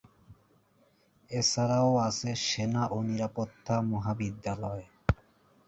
এছাড়াও আছে সেনা ও নিরাপত্তা মহাবিদ্যালয়।